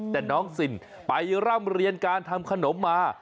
แต่น้องสินไปร่ำเรียนการทำขนมมา